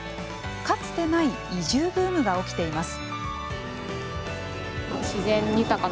かつてない移住ブームが起きています。